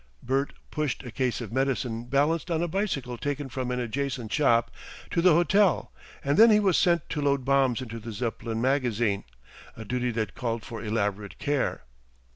Bert pushed a case of medicine balanced on a bicycle taken from an adjacent shop, to the hotel, and then he was sent to load bombs into the Zeppelin magazine, a duty that called for elaborate care.